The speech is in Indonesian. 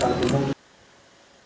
keuntungan dan kekuatan untuk penyelidikan